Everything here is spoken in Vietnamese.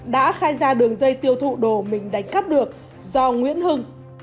đã khai ra đường dây tiêu thụ đồ mình đánh cắt được do nguyễn hưng